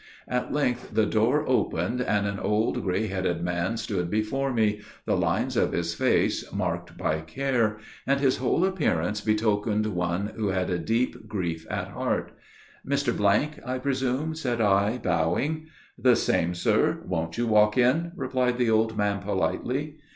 At length the door opened, and an old grey headed man stood before me, the lines of his face marked by care, and his whole appearance betokened one who had a deep grief at heart. "Mr. , I presume?" said I, bowing. "The same, sir; won't you walk in?" replied the old man, politely.